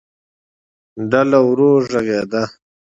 ډله ورو غږېده.